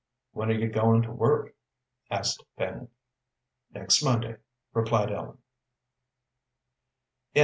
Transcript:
"When are you goin' to work?" asked Fanny. "Next Monday," replied Ellen.